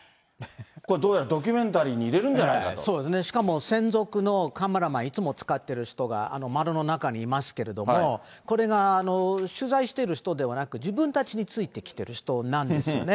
これ、どうやらドキュメンタリーそうですね、しかも専属のカメラマンいつも使ってる人が、窓の中にいますけれども、これが取材してる人ではなく、自分たちについてきてる人なんですよね。